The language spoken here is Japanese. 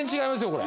これ。